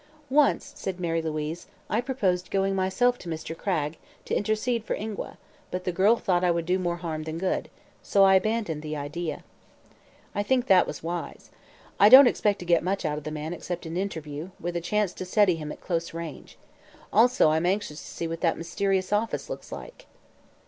"Once," said Mary Louise, "I proposed going myself to Mr. Cragg, to intercede for Ingua, but the girl thought I would do more harm than good. So I abandoned the idea." "I think that was wise. I don't expect to get much out of the man except an interview, with a chance to study him at close range. Also I'm anxious to see what that mysterious office looks like."